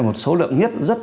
một số lượng nhất